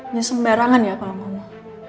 ini semberangan ya pak momo